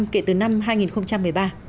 kể từ năm hai nghìn một mươi ba